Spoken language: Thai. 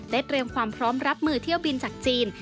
เตรียมความพร้อมรับมือเที่ยวบินจากจีน